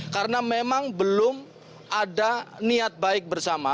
karena memang belum ada niat baik bersama